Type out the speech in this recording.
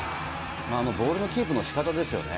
ボールのキープのしかたですよね。